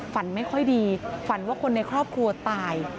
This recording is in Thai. ฝันไม่ค่อยดีฝันว่าคนในครอบครัวตาย